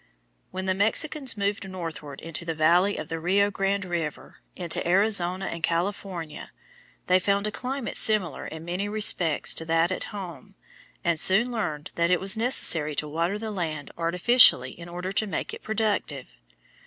When the Mexicans moved northward into the valley of the Rio Grande River, into Arizona and California, they found a climate similar in many respects to that at home, and soon learned that it was necessary to water the land artificially in order to make it productive.